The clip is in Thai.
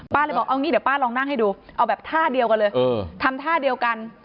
เลยบอกเอางี้เดี๋ยวป้าลองนั่งให้ดูเอาแบบท่าเดียวกันเลยทำท่าเดียวกัน